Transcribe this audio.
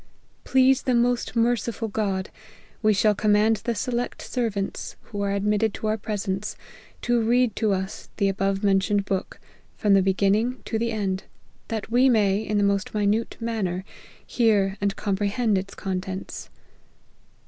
Please the most merciful God, we shall command the select servants, who are admitted to our presence, to read to us the above mentioned book, from the beginning to the end, that we may, in the most minute manner, hear and comprehend its contents.